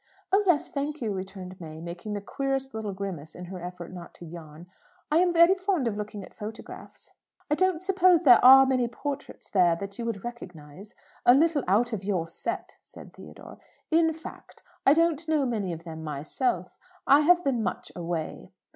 "Oh yes, thank you," returned May, making the queerest little grimace in her effort not to yawn. "I am very fond of looking at photographs." "I don't suppose there are many portraits there that you would recognize. A little out of your set," said Theodore. "In fact, I don't know many of them myself, I have been so much away.